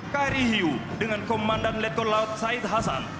kri hiu dengan komandan letkol laut said hasan